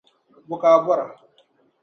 Bɔ ka bɔra?